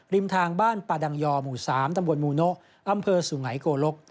ริมทางบ้านปาดังยอร์หมู่๓ตมูนอำเภอสูงไหนโกรก